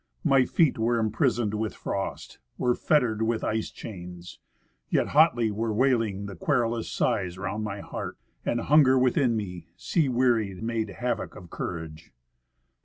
My feet were imprisoned with frost, were fettered with ice chains, Yet hotly were wailing the querulous sighs round my heart; And hunger within me, sea wearied, made havoc of courage.